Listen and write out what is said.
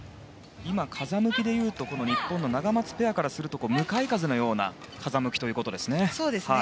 今、風向きでいうとナガマツペアからすると向かい風のような風向きということですね。